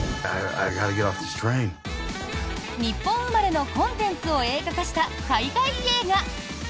日本生まれのコンテンツを映画化した海外映画。